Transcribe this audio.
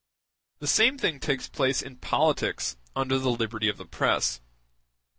The same thing takes place in politics under the liberty of the press.